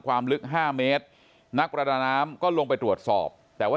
ความลึก๕เมตรนักประดาน้ำก็ลงไปตรวจสอบแต่ว่า